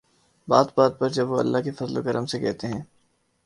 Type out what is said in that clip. بات بات پر جب وہ'اللہ کے فضل و کرم سے‘ کہتے ہیں۔